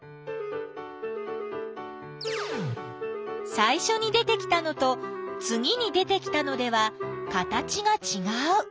さいしょに出てきたのとつぎに出てきたのでは形がちがう。